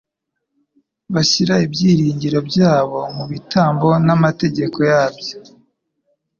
Bashyira ibyiringiro byabo mu bitambo n'amategeko yabyo,